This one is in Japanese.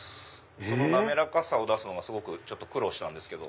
その滑らかさを出すのがすごく苦労したんですけど。